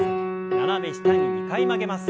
斜め下に２回曲げます。